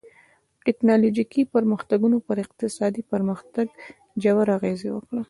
ټکنالوژیکي پرمختګونو پر اقتصادي پرمختګ ژور اغېز وکړ.